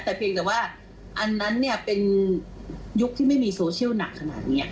แต่เพียงแต่ว่าอันนั้นเนี่ยเป็นยุคที่ไม่มีโซเชียลหนักขนาดนี้